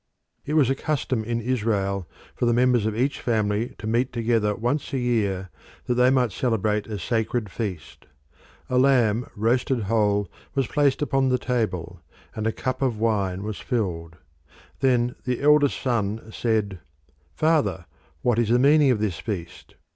It was a custom in Israel for the members of each family to meet together once a year that they might celebrate a sacred feast. A lamb roasted whole was placed upon the table, and a cup of wine was filled. Then the eldest son said, "Father, what is the meaning of this feast?"